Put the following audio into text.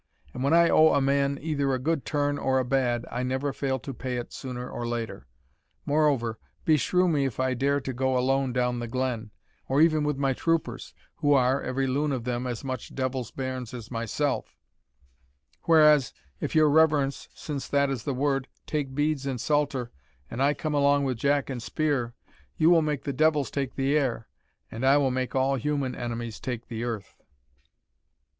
and when I owe a man either a good turn or a bad, I never fail to pay it sooner or later. Moreover, beshrew me if I care to go alone down the glen, or even with my troopers, who are, every loon of them, as much devil's bairns as myself; whereas, if your reverence, since that is the word, take beads and psalter, and I come along with jack and spear, you will make the devils take the air, and I will make all human enemies take the earth."